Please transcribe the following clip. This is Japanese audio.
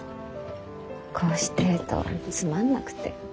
こうしてるとつまんなくて。